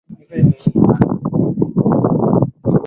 ona ni hera ndogo sana kwa hera ndogo sana